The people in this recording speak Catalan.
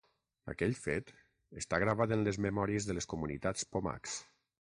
Aquell fet està gravat en les memòries de les comunitats pomacs.